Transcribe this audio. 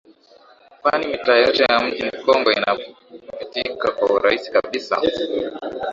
kwani mitaa yote ya Mji Mkongwe inapitika kwa urahisi kabisa